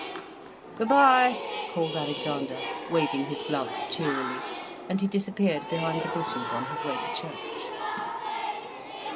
"Good bye," called Alexander, waving his gloves cheerily, and he disappeared behind the bushes, on his way to church.